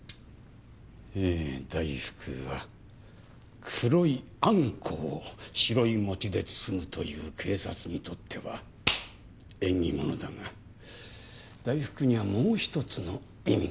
ええ大福は黒いあんこを白い餅で包むという警察にとっては縁起物だが大福にはもう１つの意味がある。